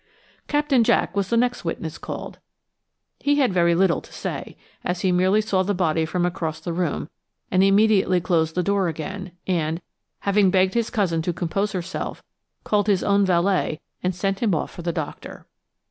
Captain Jack was the next witness called. He had very little to say, as he merely saw the body from across the room, and immediately closed the door again and, having begged his cousin to compose herself, called his own valet and sent him off for the doctor.